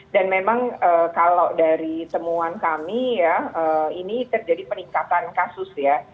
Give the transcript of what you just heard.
dan memang kalau dari temuan kami ya ini terjadi peningkatan kasus ya